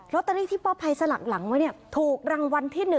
ตเตอรี่ที่ป้าภัยสลักหลังไว้เนี่ยถูกรางวัลที่๑